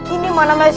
ini mana bener